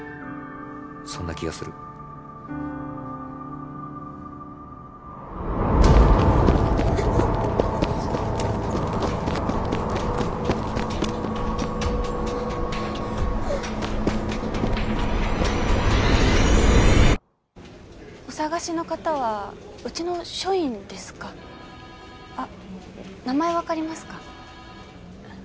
そんな気がするお探しの方はうちの署員ですかあっ名前分かりますか？